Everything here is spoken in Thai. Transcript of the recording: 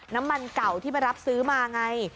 น้ำมันเก่าที่ไปรับซื้อมาไง